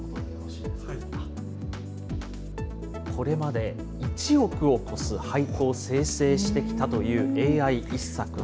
これまで１億を超す俳句を生成してきたというＡＩ一茶くん。